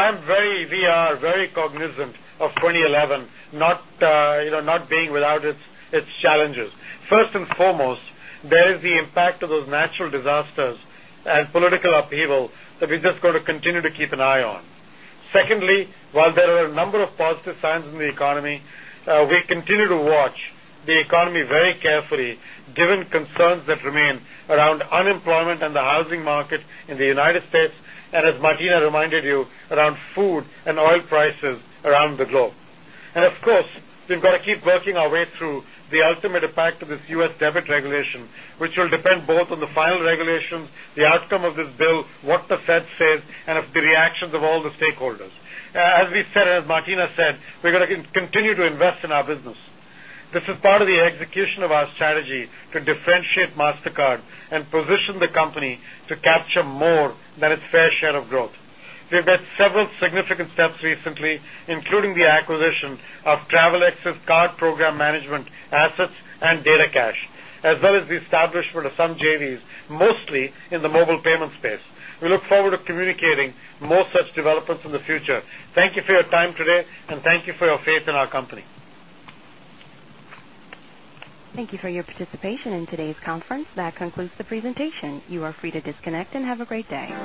[SPEAKER 3] are very cognizant of 2011 not being without its challenges. First and foremost, there is the impact of those natural disasters and political upheaval that we're just going to continue to keep an eye on. Secondly, while there are a number of positive signs in the economy, we continue to watch the economy very carefully, given concerns that remain around unemployment and the housing market in the United States, and as Martina reminded you, around food and oil prices around the globe. Of course, we've got to keep working our way through the ultimate impact of this U.S.debit regulation, which will depend both on the final regulations, the outcome of this bill, what the Fed says, and the reactions of all the stakeholders. As we said and as Martina said, we're going to continue to invest in our business. This is part of the execution of our strategy to differentiate Mastercard and position the company to capture more than its fair share of growth. We've made several significant steps recently, including the acquisition of Travelex's card program management assets and DataCash, as well as the establishment of some JVs, mostly in the mobile payment space. We look forward to communicating more such developments in the future. Thank you for your time today, and thank you for your faith in our company.
[SPEAKER 1] Thank you for your participation in today's conference. That concludes the presentation. You are free to disconnect and have a great day.